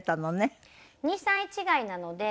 ２歳違いなので。